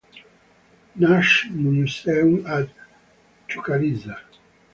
Nash Museum at Chucalissa.